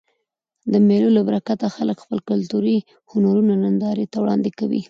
د مېلو له برکته خلک خپل کلتوري هنرونه نندارې ته وړاندي کوي.